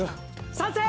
賛成！